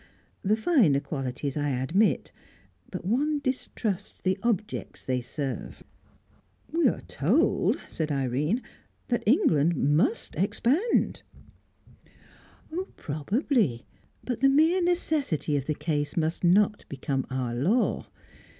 The finer qualities I admit; but one distrusts the objects they serve." "We are told," said Irene, "that England must expand." "Probably. But the mere necessity of the case must not become our law.